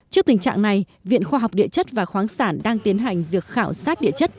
trước tình trạng này viện khoa học địa chất và khoáng sản đang tiến hành việc khảo sát địa chất